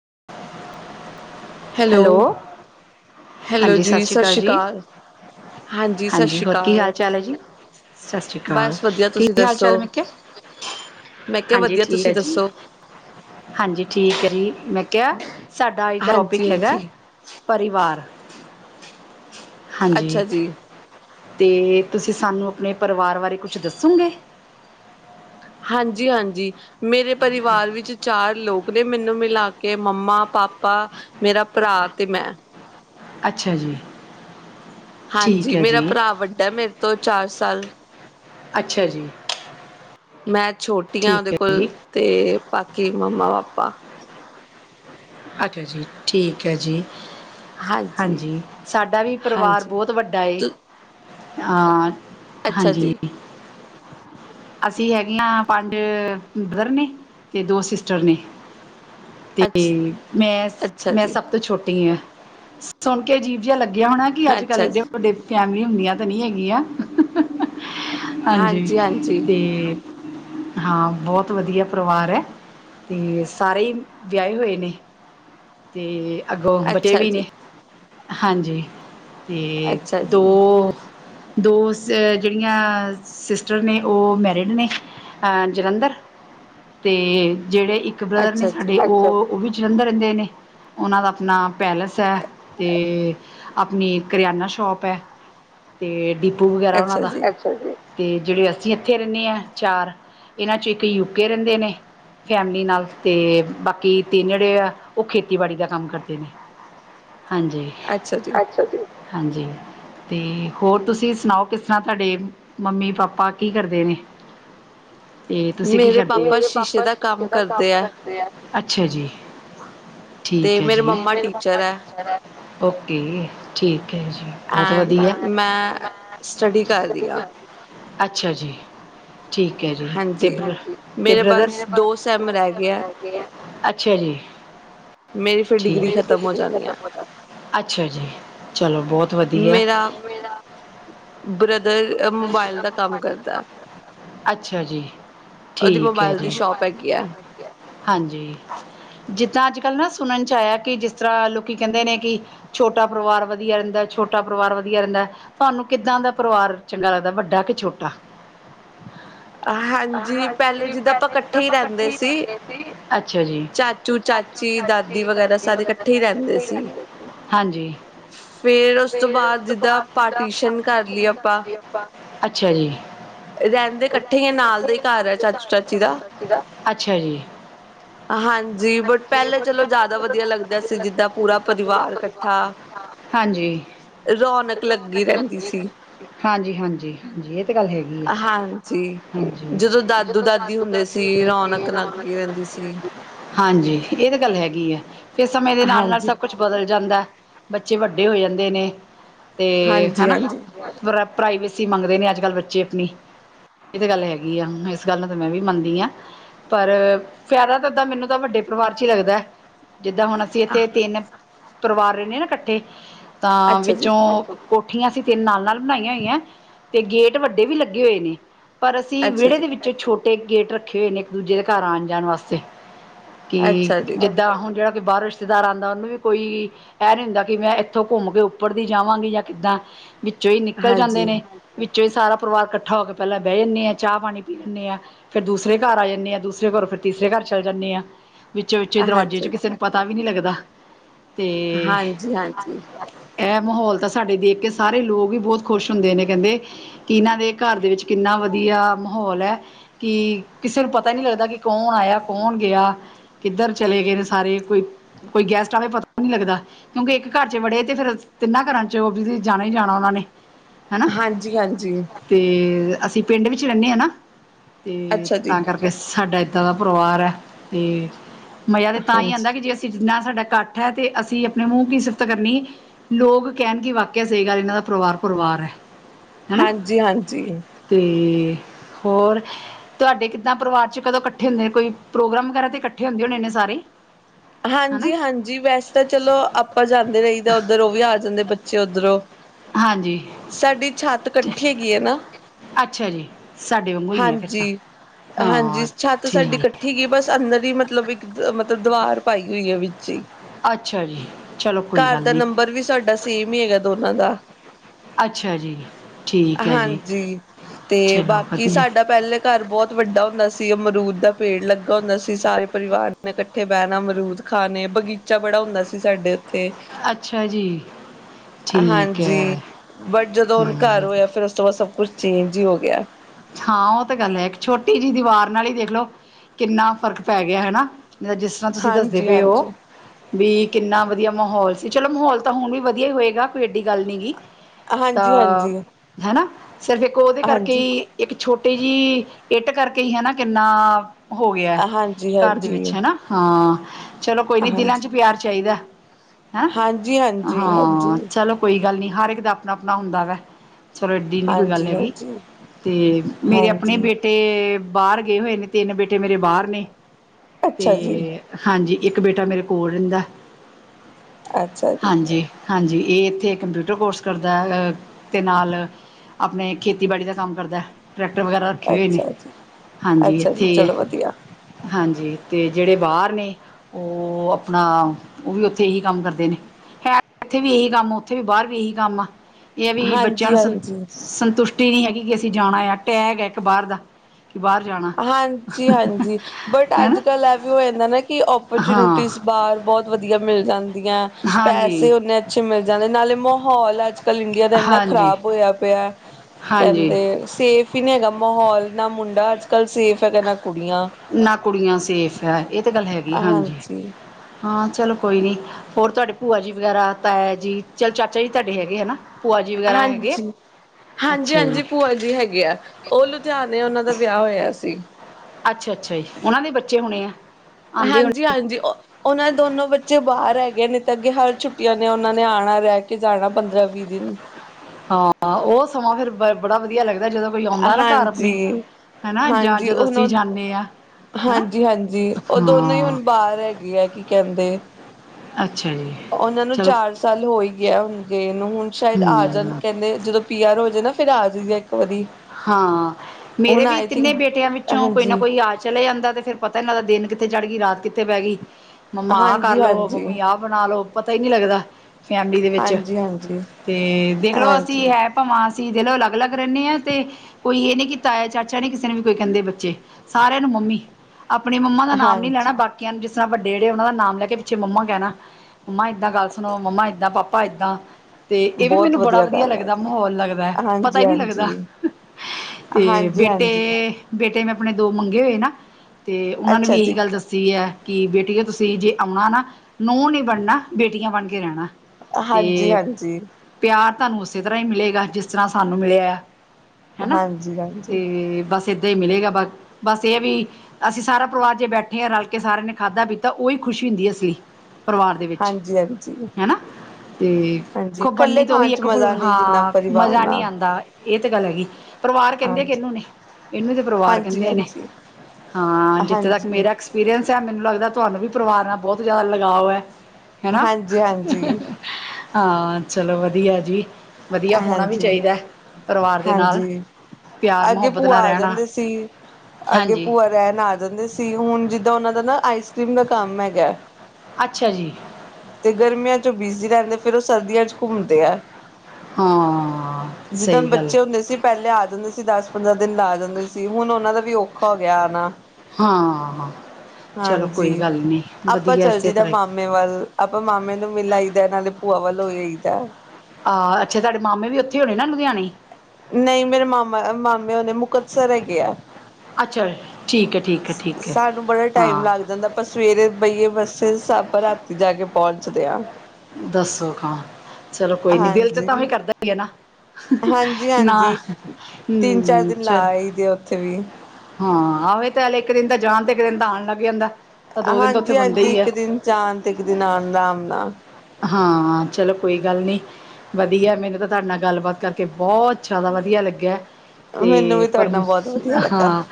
[unintelligible] Hello, hello ਜੀ। ਸਤਿ ਸ਼੍ਰੀ ਅਕਾਲ। ਹਾਂਜੀ, ਸਤਿ ਸ਼੍ਰੀ ਹੋਰ ਕੀ ਹਾਲ ਅਕਾਲ। ਚਾਲ ਹੈ ਜੀ ਸਤਿ ਸ਼੍ਰੀ ਅਕਾਲ ਬਸ ਵਧੀਆ, ਕੀ ਤੁਸੀਂ ਹਾਲ ਦੱਸੋ? ਚਾਲ ਮੈਂ ਕਿਹਾ ਮੈਂ ਕਿਹਾ, ਹਾਂਜੀ ਵਧੀਆ, ਠੀਕ ਤੁਸੀਂ ਹੈ ਜੀ ਦੱਸੋ। ਹਾਂਜੀ, ਠੀਕ ਹ ਜੀ। ਮੈਂ ਕਿਆ ਸਾਡਾ ਅੱਜ ਦਾ ਟੋਪਿਕ ਹੈਗਾ ਹਾਂਜੀ-ਹਾਂਜੀ, ਪਰਿਵਾਰ। ਹਾਂਜੀ ਅੱਛਾ ਜੀ। ਤੇ ਤੁਸੀਂ ਸਾਨੂੰ ਆਪਣੇ ਪਰਿਵਾਰ ਵਾਰੇ ਕੁਝ ਦੱਸੋਗੇ? ਹਾਂਜੀ-ਹਾਂਜੀ। ਮੇਰੇ ਪਰਿਵਾਰ ਵਿੱਚ ਚਾਰ ਲੋਕ -ਨੇ, ਮੈਨੂੰ ਮਿਲਾ ਕੇ-ਮੰਮਾ, ਪਾਪਾ, ਮੇਰਾ ਭਰਾ ਤੇ ਮੈਂ। ਅੱਛਾ ਜੀ। ਹਾਂਜੀ, ਠੀਕ ਹੈ ਮੇਰਾ ਜੀ ਭਰਾ ਵੱਡਾ ਹ ਮੇਰੇ ਤੋਂ ਚਾਰ ਸਾਲ। ਅੱਛਾ ਜੀ। ਮੈਂ ਛੋਟੀਆ‌ਂ ਉਹਦੇ ਠੀਕ ਹੈ ਕੋਲ, ਜੀ ਤੇ ਬਾਕੀ ਮੰਮਾ-ਪਾਪਾ। ਅੱਛਾ ਜੀ, ਠੀਕ ਹੈ ਜੀ‌। ਹਾਂਜੀ, ਸਾਡਾ ਵੀ ਪਰਿਵਾਰ ਹਾਂਜੀ-ਹਾਂਜੀ, ਬਹੁਤ ਵੱਡਾ ਏ, ਹਾਂ। ਅੱਛਾ ਹਾਂਜੀ ਜੀ। ਅਸੀਂ ਹੈਗੇ ਆਂ ਪੰਡ ਬ੍ਰਰ ਨੇ ਤੇ ਦੋ ਸਿਸਟਰ ਨੇ। ਤੇ ਅੱਛ ਮੈਂ, ਅੱਛਾ ਮੈਂ ਜੀ, ਸਭ ਤੋਂ ਛੋਟੀ ਆ। ਸੁਣ ਕੇ ਅਜੀਬ ਜਿਹਾ ਲੱਗਿਆ ਹੋਣਾ ਕਿ ਅੱਜ ਕੱਲ ਅੱਛਾ ਐਡੇ ਜੀ। ਵੱਡੇ ਫੈਮਲੀ ਹੁੰਦੀ ਆਂ ਤਾਂ ਨਹੀਂ ਹੈਗੀਆਂ । ਹਾਂਜੀ-ਹਾਂਜੀ। ਤੇ ਹਾਂ ਬਹੁਤ ਵਧੀਆ ਪਰਿਵਾਰ ਹੈ। ਤੇ ਸਾਰੇ ਹੀ ਵਿਆਹੇ ਹੋਏ ਨੇ। ਤੇ ਅੱਗੋਂ ਬਟੇ ਅੱਛਾ ਵੀ ਜੀ ਨੇ, ਹਾਂਜੀ। ਤੇ ਅੱਛਾ ਦੋ ਜੀ ਦੋ ਸ ਜਿਹੜੀਆਂ ਸਿਸਟਰ ਨੇ ਉਹ ਮੈਰਿਡ ਨੇ ਜਲੰਧਰ। ਤੇ ਹਾਂ ਬਹੁਤ ਵਧੀਆ ਅੱਛਾ ਜੀ ਪਰਿਵਾਰ ਹੈ। ਉਹਨਾਂ ਦਾ ਆਪਣਾ ਪੈਲਸ ਹੈ ਤੇ ਆਪਣੀ ਕਰਿਆਨਾ ਸ਼ੋਪ ਹੈ। ਤੇ ਡੀਪੂ ਵਗੈਰਾ ਉਹਨਾਂ ਅੱਛਾ ਦਾ, ਜੀ ਤੇ ਜਿਹੜੇ ਅਸੀਂ ਇੱਥੇ ਰਹਿੰਦੇ ਆਂ ਚਾਰ ਇਹਨਾਂ 'ਚੋਂ ਇੱਕ ਯੂਕੇ ਰਹਿੰਦੇ ਨੇ। ਫੈਮਿਲੀ ਨਾਲ, ਤੇ ਬਾਕੀ ਤਿੰਨ ਜਿਹੜੇ ਆ ਉਹ ਖੇ ਖੇਤੀਬਾੜੀ ਦਾ ਕੰਮ ਕਰਦੇ ਨੇ, ਹਾਂਜੀ, ਅੱਛਾ ਜੀ ਹਾਂਜੀ। ਤੇ ਹੋਰ ਤੁਸੀਂ ਸੁਣਾਓ ਕਿਸ ਤਰ੍ਹਾਂ ਤੁਹਾਡੇ ਮੰਮੀ ਪਾਪਾ ਕੀ ਕਰਦੇ ਨੇ? [inaudible] ਤੇ ਤੁਸੀਂ ਕੀ ਕਰਦੇ ਹੋ? ਮੇਰੇ ਪਾਪਾ ਸ਼ੀਸ਼ੇ ਦਾ ਕੰਮ ਕਰਦੇ ਐ। ਅੱਛਾ ਜੀ। ਤੇ ਠੀਕ ਹੈ ਮੇਰੇ ਜੀ। ਮੰਮਾ ਟੀਚਰ ਹੈ [unintelligible] ਓਕੇ, ਠੀਕ ਹੈ ਜੀ ਬਹੁਤ ਐਂਡ ਵਧੀਆ। ਮੈਂ ਸਟੱਡੀ ਕਰ ਰਹੀ ਹਾ ਹਾਂ। ਅੱਛਾ ਜੀ। ਠੀਕ ਆ ਜੀ ਤੇ ਹਾਂਜੀ ਤੇ ਮੇਰੇ ਬ੍ਰਦਰ ਬਸ ਦੋ ਸੈਮ ਰਹਿ ਗਏ ਹੈ [unintelligible] ਅੱਛਾ ਜੀ। ਮੇਰੀ ਫਿਰ ਠੀਕ ਡਿਗਰੀ ਖਤਮ ਹੋ ਜਾਣੀ ਐ। ਜਾਂਦੀ ਅੱਛਾ ਜੀ ਚਲੋ ਬਹੁਤ ਵਧੀਆ ਮੇਰਾ ਬਰਦਰ ਮੋਬਾਇਲ ਦਾ ਕੰਮ ਕਰਦਾ ਐ। ਅੱਛਾ ਜੀ। ਠੀਕ ਹੈ ਮੋਬਾਇਲ ਦੀ ਜੀ, ਸ਼ੋਪ ਹੈਗੀ ਹੈ ਹਾਂਜੀ। ਜਿੱਦਾਂ ਅੱਜ ਕੱਲ ਨਾ ਸੁਣਨ 'ਚ ਆਇਆ ਕਿ ਜਿਸ ਤਰ੍ਹਾਂ ਲੋਕੀ ਕਹਿੰਦੇ ਨੇ ਕਿ ਛੋਟਾ ਪਰਿਵਾਰ ਵਧੀਆ ਰਹਿੰਦਾ, ਛੋਟਾ ਪਰਿਵਾਰ ਵਧ ਵਧੀਆ ਰਹਿੰਦਾ। ਤੁਹਾਨੂੰ ਕਿੱਦਾਂ ਦਾ ਪਰਿਵਾਰ ਚੰਗਾ ਲੱਗਦਾ ਵੱਡਾ ਕਿ ਛੋਟਾ [inaudible] ਪਹਿਲੇ ਹਾਂਜੀ, ਜਿੱਦਾਂ ਪੈਹਿਲੇ ਜਿਦਾਂ ਇਕੱਠੇ ਹੀ ਆਪਾਂ ਰਹਿੰਦੇ ਇਕੱਠੇ ਰਹਿੰਦੇ ਸੀ। ਅੱਛਾ ਜੀ। ਚਾਚੂ ਚਾਚੀ, ਦਾਦੀ ਵਗੈਰਾ ਸਾਰੇ ਇਕੱਠੇ ਹੀ ਰਹਿੰਦੇ ਸੀ। ਹਾਂਜੀ। ਫੇਰ ਉਸ ਤੋਂ ਬਾਅਦ ਜਿੱਦਾਂ [unintelligible] ਸੇਲ ਕਰਤੀ ਆਪਾਂ। ਅੱਛਾ ਜੀ। ਰਹਿੰਦੇ ਇਕੱਠੇ ਹੀ ਨਾਲ ਦੇ ਹੀ ਘਰ ਹੈ ਚਾਚੂ ਚਾਚੀ ਦਾ [unintelligible] ਅੱਛਾ ਜੀ। ਹਾਂਜੀ ਬਟ ਪਹਿਲਾਂ ਚਲੋ ਜ਼ਿਆਦਾ ਵਧੀਆ ਲੱਗਦਾ ਸੀ ਜਿੱਦਾਂ ਪੂਰਾ ਪਰਿਵਾਰ ਇਕੱਠਾ [unintelligible] ਹਾਂਜੀ, ਰੌਣਕ ਲੱਗੀ ਰਹਿੰਦੀ ਸੀ ਹਾਂਜੀ, ਹਾਂਜੀ ਇਹ ਤੇ ਗੱਲ [unintelligible] ਹਾਂਜੀ। ਹਾਂਜੀ ਜਦੋਂ ਦਾਦੂ ਦਾਦੀ ਹੁੰਦੇ ਸੀ ਰੌਣਕ ਲੱਗੀ ਰਹਿੰਦੀ ਸੀ ਹਾਂਜੀ ਇਹ ਗੱਲ ਹੈਗੀ ਹੈ ਫਿਰ ਸਮੇਂ ਦੇ ਨਾਲ ਨਾਲ ਹਾਂਜੀ ਸਭ ਕੁੱਛ ਬਦਲ ਜਾਂਦਾ ਬੱਚੇ ਵੱਡੇ ਹੋ ਜਾਂਦੇ ਨੇ। ਤੇ ਹਾਂਜੀ ਹਾਂਜੀ ਹਨਾ ਪ੍ਰਾਈਵੇਸੀ ਮੰਗਦੇ ਨੇ ਅੱਜ ਕੱਲ ਬੱਚੇ ਆਪਣੀ। ਇਹ ਤਾਂ ਗੱਲ ਹੈਗੀ ਆ ਇਸ ਗੱਲ ਨੂੰ ਤਾਂ ਮੈਂ ਵੀ ਮੰਨਦੀ ਹਾਂ। ਪਰ [unintelligible] ਤਾਂ ਇੱਦਾਂ ਮੈਨੂੰ ਤਾਂ ਵੱਡੇ ਪਰਿਵਾਰ ਚ ਹੀ ਲੱਗਦਾ ਜਿੱਦਾਂ ਹੁਣ ਅਸੀਂ ਇੱਥੇ ਤਿੰਨ ਪਰਿਵਾਰ ਰਹਿੰਦੇ ਹ ਨਾ ਇਕੱਠੇ। ਤਾਂ ਅੱਛਾ ਜੀ ਵਿੱਚੋਂ ਕੋਠੀਆਂ ਸੀ ਤਿੰਨ ਨਾਲ ਨਾਲ ਬਣਾਈਆਂ ਹੋਈਆਂ ਤੇ ਗੇਟ। ਵੱਡੇ ਵੀ ਲੱਗੇ ਹੋਏ ਨੇ ਪਰ ਅਸੀਂ ਅੱਛਾ ਵਿਹੜੇ ਜੀ ਦੇ ਵਿੱਚ ਛੋਟੇ ਗੇਟ ਰੱਖੇ ਹੋਏ ਨੇ। ਦੂਜੇ ਦੇ ਘਰ ਆਉਣ ਜਾਣ ਵਾਸਤੇ ਕਿ ਅੱਛਾ ਜੀ ਜਿੱਦਾਂ ਹੁਣ ਜਿਹੜਾ ਕਿ ਬਾਹਰ ਦਾਰ ਆਉਂਦਾ ਉਹਨੂੰ ਵੀ ਕੋਈ ਇਹ ਨੀ ਹੁੰਦਾ ਕਿ ਮੈਂ ਇੱਥੋਂ ਘੁੰਮ ਕੇ ਉੱਪਰ ਦੀ ਜਾਵਾਂਗੀ ਜਾਂ ਕਿੱਦਾਂ। ਵਿੱਚੋਂ ਹੀ ਨਿਕਲ ਜਾਂਦੇ ਹਾਂਜੀ ਨੇ ਵਿੱਚੋਂ ਹੀ ਸਾਰਾ ਪਰਿਵਾਰ ਇਕੱਠਾ ਹੋ ਕੇ ਪਹਿਲੇ ਬਹਿ ਜਾਂਦੇ ਹਾਂ ਚਾਹ ਪਾ ਪ ਲੈਂ ਹ ਫਿਰ ਦੂਸਰੇ ਘਰ ਆ ਜਾਂ ਹਾਂ ਦੂਸਰੇ ਘਰ ਫਿਰ ਤੀਸਰੇ ਘਰ ਚੱਲ ਜਾਂਦੇ ਹਾਂ ਵਿੱਚੋਂ ਵਿਚੇ ਅੱਛਾ ਦਰਵਾਜ਼ੇ ਚ ਜੀ ਕਿਸੇ ਨੂੰ ਪਤਾ ਵੀ ਨੀ ਲੱਗਦਾ। ਤੇ ਹਾਂਜੀ ਹਾਂਜੀ ਇਹ ਮਾਹੌਲ ਤਾਂ ਸਾਡੇ ਦੇਖ ਕੇ ਸਾਰੇ ਲੋਕ ਹੀ ਬਹੁਤ ਖੁਸ਼ ਹੁੰਦੇ ਨੇ ਕਹਿੰਦੇ ਕਿ ਇਹਨਾਂ ਦੇ ਘਰ ਦੇ ਵਿੱਚ ਕਿੰਨਾ ਵਧੀਆ ਮਾਹੌਲ ਹੈ ਕਿ ਕਿਸੇ ਨੂੰ ਪਤਾ ਹੀ ਨਹੀਂ ਲੱਗਦਾ ਕਿ ਕੌਣ ਆਇਆ ਕੌਣ ਗਿਆ। ਕਿੱਧਰ ਚਲੇ ਗਏ ਨੇ ਸਾਰੇ ਕੋਈ ਕੋਈ ਗੈਸਟ ਵਾਲੇ ਪਤਾ ਨਹੀਂ ਲੱਗਦਾ ਕਿਉਂਕਿ ਇੱਕ ਘਰ ਚ ਬੜੇ ਤੇ ਫਿਰ ਤਿੰਨਾਂ ਘਰਾਂ ਚ ਉਹ ਵੀ ਜਾਣਾ ਹੀ ਜਾਣਾ ਉਹਨਾਂ ਨੇ ਹਨਾ ਹਾਂਜੀ ਹਾਂਜੀ ਤੇ ਅਸੀਂ ਪਿੰਡ ਵਿੱਚ ਰਹਿੰਦੇ ਹਾਂ ਨਾ ਅਤੇ ਅੱਛਾ ਜੀ ਤਾਂ ਕਰਕੇ ਸਾਡਾ ਇੱਦਾਂ ਦਾ ਪਰਿਵਾਰ ਹੈ ਅਤੇ ਮਜ਼ਾ ਤੇ ਤਾਂ ਹੀ ਹਾਂਜੀ ਆਉਂਦਾ ਕਿ ਜੇ ਅਸੀਂ ਜਨਾ ਸਾਡਾ ਕੱਠ ਐ ਤੇ ਅਸੀਂ ਆਪਣੇ ਮੂੰਹ ਕੀ ਸਿਫਤ ਕਰਨੀ ਲੋਕ ਕੇਨ ਕੀ ਵਾਕਿਆ ਸਈ ਗਲ ਇਹਨਾਂ ਦਾ ਪਰਿਵਾਰ ਪਰਿਵਾਰ ਹੈ। ਹਨਾ ਹਾਂਜੀ-ਹਾਂਜੀ। ਤੇ ਹੋਰ ਤੁਹਾਡੇ ਕਿੱਦਾਂ ਪਰਿਵਾਰ ਚ ਕਦੋਂ ਇਕੱਠੇ ਹੁੰਦੇ ਨੇ ਕੋਈ ਪ੍ਰੋਗਰਾਮ ਵਗੈਰਾ ਤੇ ਇਕੱਠ ਠੇ ਹੁੰਦੇ ਹੋਨੇ ਨੇ ਸਾਰੇ ਈ। ਹਾਂਜੀ-ਹਾਂਜੀ ਵੈਸੇ ਚਲੋ ਆਪਾਂ ਜਾਂਦੇ ਰਹੀ ਦਾ ਉੱਧਰ ਉਹ ਵੀ ਆ ਜਾਂਦੇ ਬੱਚੇ ਉੱਧਰੋਂ ਹਾਂਜੀ ਸਾਡੀ ਛੱਤ ਇਕੱਠੀ ਹੈਗੀ ਐ ਨਾ। ਅੱਛਾ ਜੀ ਸਾਡੇ ਵਾਂਗੂ ਈ ਐ ਫੇਰ ਤਾਂ। ਹਾਂਜੀ ਹਾਂਜੀ ਹਾਂ ਛੱਤ ਸਾਡੀ ਠੀਕ ਇਕੱਠੀ ਹੈਗੀਏ ਬਸ ਅੰਦਰ ਹੀ ਮਤਲਬ ਇੱਕ ਮਤਲਬ ਦੀਵਾਰ ਪਾਈ ਹੋਈ ਐ ਵਿੱਚ ਜੀ, ਅੱਛਾ ਜੀ ਚਲੋ ਕੋਈ ਘਰ ਗੱਲ ਦਾ ਨਹੀਂ ਨੰਬਰ ਵੀ ਸਾਡਾ ਸੇਮ ਈ ਹੈਗਾ ਦੋਨਾਂ ਦਾ। ਅੱਛਾ ਜੀ ਠੀਕ ਹੈ ਜੀ। ਹਾਂਜੀ ਤੇ ਚਲੋ ਬਾਕੀ ਵਧੀਆ ਸਾਡਾ ਪਹਿਲੇ ਘਰ ਬੋਤ ਵੱਡਾ ਹੁੰਦਾ ਸੀ ਅਮਰੂਦ ਦਾ ਪੇੜ ਲੱਗਾ ਹੁੰਦਾ ਸੀ ਸਾਰੇ ਪਰਿਵਾਰ ਨੇ ਇਕੱਠੇ ਬੇਹਨਾ ਮਰੁ ਰੂਦ ਖਾਨੇ ਬਗੀਚਾ ਬੜਾ ਹੁੰਦਾ ਸੀ ਸਾਡੇ ਉੱਥੇ ਅੱਛਾ ਜੀ। ਠੀਕ ਹਾਂਜੀ ਹੈ ਬਟ ਜਦੋਂ ਹਮ ਹੁਨ ਘਰ ਹੋਇਆ ਫੇਰ ਉਸ ਤੋਂ ਬਾਅਦ ਸਭ ਕੁਛ ਚੇਂਜ ਈ ਹੋ ਗਿਆ। ਹਾਂ ਉਹ ਤੇ ਗੱਲ ਹੈ ਇੱਕ ਛੋਟੀ ਜਿਹੀ ਦੀਵਾਰ ਨਾਲ ਹੀ ਦੇਖਲਓ ਕਿੰਨਾ ਫ਼ਰਕ ਪੈ ਗਿਆ ਹੇਨਾ। ਨਾ ਜਿਸ ਤਰ੍ਹਾਂ ਤੁਸੀਂ ਦੱਸਦੇ ਹਾਂਜੀ ਪਏ ਓ ਹਾਂਜੀ ਬੀ ਕਿੰਨਾ ਵਧੀਆ ਮਾਹੌਲ ਸ ਤੇ ਚਲੋ ਮਾਹੌਲ ਤਾਂ ਹੁਨ ਵੀ ਵਧੀਆ ਹੀ ਹੋਏਗਾ ਕੋਈ ਐਡੀ ਗੱਲ ਨਹੀਂ ਗੀ ਹਾਂਜੀ ਤਾਂ, ਹਾਂਜੀ ਹਾਂਜੀ ਹੇਨਾ ਸਿਰਫ ਇੱਕ ਉਹਦੇ ਕਰਕੇ ਹਾਂਜੀ ਹੀ ਇੱਕ ਛੋਟੀ ਜਿਹੀ ਇੱਟ ਕਰਕੇ ਹੀ ਹਨਾ ਕਿੰਨਾ ਹੋ ਗਿਆਂ ਹਾਂਜੀ ਘਰ ਦੇ ਵਿੱਚ ਹਾਂਜੀ ਹੇਨਾ ਹਾਂ। ਚਲੋ ਕੋਈ ਨੀ ਦਿਲਾਂ ਚ ਹਾਂਜੀ ਹਾਂਜੀ ਪਿਆਰ ਚਾਹੀਦਾ ਐ, ਹਾਂ ਹਾਂਜੀ ਚਲੋ ਕੋਈ ਗੱਲ ਨਹੀਂ। ਹਰ ਇੱਕ ਦਾ ਆਪਣਾ ਆਪਣਾ ਹੁੰਦਾ ਵੇ, ਚਲੋ ਏਡੀ ਨੀ ਕੋਈ ਗੱਲ ਹਾਂਜੀ ਹੈਗੀ। ਹਾਂਜੀ ਤੇ ਮੇਰੇ ਆਪਨੇ ਹਾਂਜੀ ਬੇਟੇ ਬਾਹਰ ਗਏ ਹੋਏ ਨੇ, ਤੇਨ ਬੇਟੇ ਮੇਰੇ ਬਾਹਰ ਨੇ। ਅੱਛਾ ਜੀ ਤੇ ਹਾਂਜੀ ਇੱਕ ਬੇਟਾ ਮੇਰੇ ਕੋਲ ਰਹਿੰਦਾ। ਅੱਛਾ ਜੀ। ਹਾਂਜੀ ਹਾਂਜੀ, ਇਹ ਇੱਥੇ ਕੰਪਿਊਟਰ ਕੋਰਸ ਕਰਦਾ, ਅਤੇ ਨਾਲ ਆਪਣੇ ਖੇਤੀਬਾੜੀ ਦਾ ਕੰਮ ਕਰਦਾ ਟਰੈਕਟਰ ਵਗੈਰਾ ਰੱਖੇ ਹੋਏ ਨੇ, ਅੱਛਾ ਜੀ ਹਾਂਜੀ ਅੱਛਾ ਜੀ ਇਥੇ ਹੈ ਚਲੋ ਵਧੀਆ ਹਾਂਜੀ ਅਤੇ ਜਿਹੜੇ ਬਾਹਰ ਨੇ, ਉਹ ਆਪਣਾ ਉਹ ਵੀ ਉੱਥੇ ਹੀ ਕੰਮ ਕਰਦੇ ਨੇ। ਹੈਂ ਇੱਥੇ ਵੀ ਇਹੀ ਕੰਮ ਉੱਥੇ ਵੀ ਬਾਹਰ ਵੀ ਇਹੀ ਕੰਮ ਆ ਇਹ ਵੀ ਬੱਚਿਆਂ ਹਾਂਜੀ ਨੂੰ ਸੰ ਹਾਂਜੀ ਸੰਤੁਸ਼ਟੀ ਨਹੀਂ ਹੈਗੀ ਕਿ ਜਾਣਾ ਆ ਟੈਗ ਏ ਇੱਕ ਬਾਹਰ ਦਾ ਕਿ ਬਾਹਰ ਜਾਣਾ ਹਾਂਜੀ-ਹਾਂਜੀ ਬਟ ਅੱਜ ਹੈਨਾ ਕਲ ਇਹ ਵੀ ਹੋ ਜਾਂਦਾ ਨਾ ਕਿ ਹਾਂ ਓਪਰਚੁਨਿਟੀ ਬਾ ਬੋਤ ਵਧੀਆ ਮਿਲ ਜਾਂਦੀਆਂ ਪੈਸੇ ਹਾਂਜੀ ਓਨੇ ਅੱਛੇ ਮਿਲ ਜਾਂਦੇ ਨਾਲੇ ਮਾਹੌਲ ਅੱਜ ਕੱਲ ਇੰਡੀਆ ਦਾ ਇੰਨਾ ਹਾਂਜੀ ਖ਼ਰਾਬ ਹੋਇਆ ਪਿਆ ਹਾਂਜੀ ਕੇਂਦੇ ਸੇਫ ਕਿ ਨਹੀਂ ਹੈਗਾ ਮਾਹੌਲ ਨਾ ਮੁੰਡਾ [unintelligible] ਫੇਰ ਕੇਨਾ ਕੁੜੀਆਂ ਨਾ ਕੁੜੀਆਂ ਸੇਫ ਐ ਇਹ ਤੇ ਗੱਲ ਹੈਗੀ। ਹਾਂਜੀ, ਹਾਂ ਚਲੋ ਕੋਈ ਨੀ। ਹੋਰ ਤੁਹਾਡੇ ਭੂਆ ਜੀ ਵਗੈਰਾ, ਤਾਇਆ ਜੀ, ਚ ਚਾਚਾ ਜੀ ਤੁਹਾਡੇ ਹੈਗੇ ਹੇਨਾ। ਭਾਜੀ ਵਗੈਰਾ ਹੈਗੇਏ? ਹਾਂਜੀ-ਹਾਂਜੀ ਭੂਆ ਜੀ ਹੈਗੇ ਆ ਉਹ ਲੁਧਿਆਣੇ ਉਹਨਾਂ ਦਾ ਵਿਆਹ ਹੋਇਆ ਸੀ। ਅੱਛਾ-ਅੱਛਾ ਜੀ ਉਹਨਾਂ ਦੇ ਬੱਚੇ ਹੋਣੇ ਆ? ਆਂਦੇ ਹੋਣੇ ਹਾਂਜੀ-ਹਾਂਜੀ ਉਹ ਉਹਨਾਂ ਦੋਨੋ ਬੱਚੇ ਬਾਹਰ ਹੈਗੇਏ ਨੇ ਤੇ ਅੱਗੇ ਹਰ ਛੁੱਟੀਆਂ ਨੇ ਉਹਨਾਂ ਨੇ ਆਂਣਾ ਰਹਿ ਕੇ ਜਾਣਾ ਪੰਦਰਾਂ ਵੀਹ [unintelligible] ਹਾਂ ਉਹ ਸਮਾਂ ਫੇਰ ਬ ਬੜਾ ਵਧੀਆ ਲੱਗਦ ਦਾ ਜਦੋਂ ਕੋਈ ਆਉਂਦਾ ਨਾ ਘਰ ਆਪਣੀ ਹਾਂਜੀ, ਹੇਨਾ ਜ਼ਾਂ ਹਾਂਜੀ ਜਦੋਂ ਅਸੀਂ ਉਹਨੂੰ ਜਾਂਨੇ ਆ। ਹਨਾ ਹਾਂਜੀ-ਹਾਂਜੀ ਉਹ ਦੋਨੋ ਹੀ ਹਾਂ ਹੁਨ ਬਾਹਰ ਹੈਗੇ ਆ ਕੀ ਕਹਿੰਦੇ ਅੱਛਾ ਜੀ ਉਹਨਾਂ ਨੂੰ ਚਲੋ ਚਾਰ ਸਾਲ ਹੋ ਈ ਗਿਆ ਹੁੰਨ ਗਏ ਨੂੰ ਹੁਣ ਸ਼ਾਇਦ ਆ ਜਾਨ ਹੂੰ ਕਹਿੰਦੇ ਜਦੋਂ ਪੀ ਆਰ ਹੋ ਜਏ ਨਾ ਫੇਰ ਆ ਜਾਇਦਾਏ ਇੱਕ ਵਾਰੀ ਹਾਂ ਮੇਰੇ ਹੁਣ ਵੀ ਆਈ ਤਿੰਨੇ ਥਿੰਕ ਬੇਟਿਆਂ ਵਿੱਚੋਂ ਕੋਈ ਨਾ ਹਾਂਜੀ, ਕੋਈ ਆ ਚਲੇ ਜਾਂਦਾ ਤੇ, ਫਿਰ ਪਤਾ ਨਹੀਂ ਲੱਗਦਾ ਦਿਨ ਕਿੱਥੇ ਚੜ੍ਹ ਗਈ, ਰਾਤ ਕਿੱਥੇ ਪੈ ਗਈ । ਮੰਮਾ ਆਹ ਕਰਲੋ, ਹਾਂਜੀ-ਹਾਂਜੀ, ਮੰਮੀ ਆਹ ਬਣਾ ਲਓ, ਪਤਾ ਹੀ ਨਹੀਂ ਲੱਗਦਾ ਫੈਮਲੀ ਦੇ ਵਿੱਚ ਹਾਂਜੀ-ਹਾਂਜੀ, ਹਾਂਜੀ। ਤੇ ਦੇਖਲੋ ਅਸੀਂ ਹਾਂਜੀ ਹਾਂਜੀ ਹੈ ਭਾਵਾਂ ਅਸੀਂ ਦੇਖਲੋ ਅਲੱਗ- ਅਲੱਗ ਰਹਿੰਦੇ ਹਾਂ । ਤੇ ਕੋਈ ਇਹ ਨੀ ਕੀ ਤਾਇਆ, ਚਾਚਾ ਨੀ ਕਿਸੇ ਨੂੰ ਵੀ ਕੋਈ ਕਹਿੰਦੇ, ਬੱਚੇ ਸਾਰਿਆਂ ਨੂੰ ਮੰਮੀ ਆਪਣੇ ਮੰਮਾ ਦਾ ਨਾਮ ਨੀ ਲੈਣਾ ਹਾਂਜੀ ਬਾਕੀਆਂ ਨੂੰ ਜਿਸ ਤਰ੍ਹਾਂ ਵੱਡਾ ਜਿਹੜੇ ਉਹਨਾਂ ਦਾ ਨਾਮ ਲੈ ਕੇ ਪਿੱਛੇ ਮੰਮਾ ਕਹਿਣਾ, ਮੰਮਾ ਏਦਾਂ ਗੱਲ ਸੁਣੋ ਮੰਮਾ ਏਦਾਂ, ਪਾਪਾ ਏਦਾਂ। ਤੇ ਇਹ ਵੀ ਬਹੁਤ ਮੈਨੂੰ ਬੜਾ ਵਧੀਆ ਗੱਲ ਹੈ ਲੱਗਦਾ, ਜੀ ਮਾਹੌਲ ਲੱਗਦਾ ਹੈ ਪਤਾ ਹੀ ਨਹੀਂ ਲੱਗਦਾ। ਹਾਂਜੀ-ਹਾਂਜੀ। ਤੇ ਬੇਟੇ, ਹਾਂਜੀ-ਹਾਂਜੀ, ਬੇਟੇ ਮੈਂ ਆਪਣੇ ਦੋ ਮੰਗੇ ਹੋਏ ਨਾ ਅਤੇ ਉਹਨਾਂ ਨੇ ਅੱਛਾ ਵੀ ਇਹੀ ਜੀ, ਗੱਲ ਦੱਸੀ ਹੈ। ਕਿ ਬੇਟੀਆ ਤੁਸੀਂ ਜੇ ਆਉਣਾ ਨਾ ਨੂੰਹ ਨੀ ਬਣਨਾ ਬੇਟੀਆਂ ਬਣ ਕੇ ਰਹਿਣਾ ਹਾਂਜੀ ਤੇ -ਹਾਂਜੀ। ਪਿਆਰ ਤੁਹਾਨੂੰ ਉਸੇ ਤਰ੍ਹਾਂ ਹੀ ਮਿਲੇਗਾ, ਜਿਸ ਤਰ੍ਹਾਂ ਸਾਨੂੰ ਮਿਲਿਆ ਆ ਹਨਾ ਹਾਂਜੀ-ਹਾਂਜੀ, ਤੇ ਬਸ ਸਿੱਧਾ ਹੀ ਮਿਲੇਗਾ ਬਸ, ਬਸ ਇਹ ਹੈ ਵੀ ਅਸੀਂ ਸਾਰਾ ਪਰਿਵਾਰ ਜੇ ਬੈਠੇ ਹਾਂ ਰਲ ਕੇ ਸਾਰਿਆ ਨੇ ਖਾਧਾ ਪੀਤਾ ਉਹੀ ਖੁਸ਼ੀ ਹੁੰਦੀ ਅਸਲੀ ਪਰਿਵਾਰ ਦੇ ਵਿੱਚ ਹਾਂਜੀ-ਹਾਂਜੀ। ਹੈ ਨਾ ਤੇ ਹਾਂਜੀ, ਦੇਖੋ ਬੰਨਨੀ ਕੱਲੇ ਤੋਂ ਉਹੀ ਖਾਣ ਚ ਇੱਕ ਫੁ ਮਜ਼ਾ ਨਹੀਂ ਜਿੰਨਾ ਹਾਂ ਪਰਿਵਾਰ ਮਜ਼ਾ ਨਹੀਂ ਨਾਲ ਆਉਂਦਾ ਇਹ ਤੇ ਗੱਲ ਹੈਗੀ ਪਰਿਵਾਰ ਕਹਿੰਦੇ ਹਾਂਜੀ। ਕਿਨੂੰ ਨੇ, ਇਹਨੂੰ ਈ ਤੇ ਪਰਿਵਾਰ ਕਹਿੰਦੇ ਨੇ। ਹਾਂਜੀ-ਹਾਂਜੀ, ਹਾਂ ਜਿੱਥੇ ਤੱਕ ਹਾਂਜੀ, ਮੇਰਾ ਐਕਸਪੀਰੀਅੰਸ ਹੈ ।ਮੈਨੂੰ ਲੱਗਦਾ ਤੁਹਾਨੂੰ ਵੀ ਪਰਿਵਾਰ ਨਾਲ ਬਹੁਤ ਜ਼ਿਆਦਾ ਲਗਾਓ ਹੈ। ਹੈਨਾ, ਹਾਂਜੀ-ਹਾਂਜੀ, ਹਾਂ ਚਲੋ ਵਧੀਆ ਜੀ ਵਧੀਆ ਹੋਣਾ ਵੀ ਹਾਂਜੀ। ਚਾਹੀਦਾ, ਪਰਿਵਾਰ ਦੇ ਨਾਲ ਹਾਂਜੀ, ਪਿਆਰ ਅੱਗੇ ਮੁਹੱਬਤ ਭੂਆ ਨਾਲ ਆ ਰਹਿਣਾ ਜਾਂਦੇ ਸੀ। ਅੱਗੇ ਹਾਂਜੀ ਭੂਆ ਰਹਿਣ ਆ ਜਾਂਦੇ ਸੀ, ਹੁਣ ਜਿੱਦਾਂ ਉਹਨਾਂ ਦਾ ਨਾ ਆਈਸ ਕਰ੍ਰੀਮ ਦਾ ਕੰਮ ਹੈਗਾ ਅੱਛਾ ਜੀ ਤੇ ਗਰਮੀਆਂ ਚ ਉਹ ਬੀਜ਼ੀ ਰਹਿੰਦੇ, ਫਿਰ ਉਹ ਸਰਦੀਆਂ ਚ ਘੁੰਮਦੇ ਆ ਹਾਂ ਜਿੱਦਣ ਸਹੀ ਗੱਲ ਬੱਚੇ ਹੁੰਦੇ ਸੀ, ਪਹਿਲੇ ਆ ਜਾਂਦੇ ਸੀ। [unintelligible] ਦਸ ਪੰਦਰਾਂ ਦਿਨ ਲਾ ਜਾਂਦੇ ਸੀ, ਹੁਣ ਉਹਨਾਂ ਦਾ ਵੀ ਔਖਾ ਹੋ ਗਿਆ ਆਣਾ। ਹਾਂ-ਹਾਂ ਹਾਂਜੀ, ਆਪਾਂ ਇਸੇ ਚਲਜੀਦਾ ਤਰ੍ਹਾਂ ਹੀ ਮਾਮੇ ਵੱਲ, ਆਪਾਂ ਮਾਮੇ ਨੂੰ ਮਿਲ ਆਈਦਾ, ਇਹਨਾਂ ਦੇ ਭੂਆ ਵੱਲ। ਹੋ ਆਈਦਾ। ਆਹ ਅੱਛਾ ਤੁਹਾਡੇ ਮਾਮੇ ਵੀ ਉੱਥੇ ਹੋਣੇ ਨਾ, ਲੁਧਿਆਣੇ। ਨਹੀਂ ਮੇਰੇ ਮਾਮਾ, ਮਾਮੇ ਹੋਨੇ ਮੁਕਤਸਰ ਹੈਗੇ ਆ। ਅੱਛਾ ਠੀਕ ਐ, ਠੀਕ ਹੈ ਠੀਕ ਹੈ ਸਾਨੂੰ ਬੜਾ ਟਾਈਮ ਹਾਂ ਲੱਗ ਜਾਂਦਾ, ਆਪਾਂ ਸਵੇਰੇ ਬਹੀਏ ਬੱਸੇ, ਆਪਾਂ ਰਾਤੀ ਜਾ ਕੇ ਪਹੁੰਚ ਚਦੇ ਆ। ਦੱਸੋ ਖਾਂ, ਚਲੋ ਕੋਈ ਨੀ। ਦਿਲ ਤੇ ਤਾਂ ਵੀ ਕਰਦਾ ਹੀ ਏ ਨਾ। ਨਾ ਹਾਂਜੀ-ਹਾਂਜੀ, ਤਿੰਨ ਚਾਰ ਹਮ ਦਿਨ ਚਲ ਲਾ ਈ ਦੇ ਆ ਉੱਥੇ ਵੀ। ਹਾਂ ਆਵੇ ਤੇ ਹਲੇ ਇੱਕ ਦਿਨ ਦਾ ਜਾਣ, ਤੇ ਇੱਕ ਦਿਨ ਦਾ ਆਉਣ ਲੱਗ ਜਾਂਦਾ। ਤਾਂ ਦੋ ਦਿਨ ਤਾਂ ਉੱਥੇ ਬੰਦੇ ਹਾਂਜੀ-ਹਾਂਜੀ, ਹੀ ਇੱਕ ਹੈ ਦਿਨ ਜਾਣ ਤੇ ਇੱਕ ਦਿਨ ਆਨ- ਆਨ ਦਾ ਹਾਂ, ਚਲੋ ਕੋਈ ਗੱਲ ਨਹੀਂ। ਵਧੀਆ, ਮੈਨੂੰ ਤਾਂ ਤੁਹਾਡੇ ਨਾਲ ਗੱਲਬਾਤ ਕਰਕੇ ਬਹੁਤ ਜ਼ਿਆਦਾ ਵਧੀਆ ਲੱਗਿਆ। ਤੇ ਮੈਨੂੰ ਵੀ ਤੁਹਾਡੇ ਪਰਮ, ਨਾਲ ਬਹੁਤ ਵਧੀਆ ਲੱਗਾ। ਹਾਂ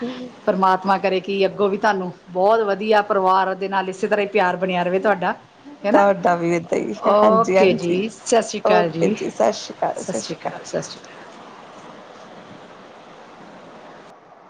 ਪਰਮਾਤਮਾ ਕਰੇ ਕਿ ਅੱਗੋਂ ਵੀ ਤੁਹਾਨੂੰ ਬਹੁਤ ਵਧੀਆ ਪਰਿਵਾਰ ਦੇ ਨਾਲ ਇਸੇ ਤਰ੍ਹਾਂ ਹੀ ਪਿਆਰ ਬਣਿਆ ਰਵੇ ਤੁਹਾਡਾ। [unintelligible] ਤੁਹਾਡਾ ਵੀ। ਹਾਂਜੀ- ਓਕੇ ਹਾਂਜੀ। ਜੀ ਸਤਿ ਸ਼੍ਰੀ ਅਕਾਲ ਓਕੇ ਜੀ। ਸਤਿ ਸ੍ਰੀ ਕਾਲ, ਸਤਿ ਸ਼੍ਰੀ ਕਾਲ। ਅਕਾਲ ਸਤਿ ਸ਼੍ਰੀ ਅਕਾਲ [inaudible]